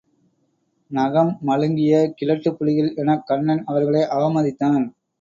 நகம் மழுங்கிய கிழட்டுப்புலிகள் எனக் கன்னன் அவர்களை அவமதித்தான்.